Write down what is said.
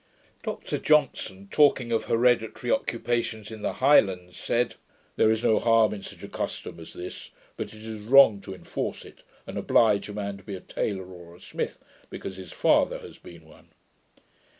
Dr Johnson, talking of hereditary occupations in the Highlands, said, 'There is no harm in such a custom as this; but it is wrong to enforce it, and oblige a man to be a taylor or a smith, because his father has been one.'